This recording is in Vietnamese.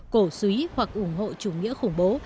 cổ suý hoặc ủng hộ chủ nghĩa khủng bố